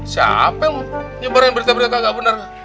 siapa yang nyebarin berita berita gak bener